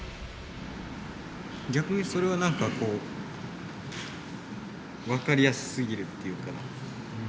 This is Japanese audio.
逆にそれは何かこう分かりやすすぎるっていうか。